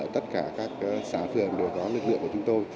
tất cả các xã phường đều có lực lượng của chúng tôi